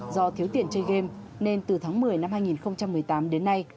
do thiếu tiền chơi game nên từ tháng một mươi năm hai nghìn một mươi tám đến nay